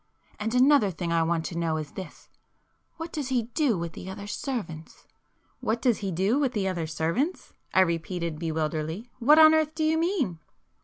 And another thing I want to know is this—what does he do with the other servants?" "What does he do with the other servants?" I repeated bewilderedly—"What on earth do you mean?"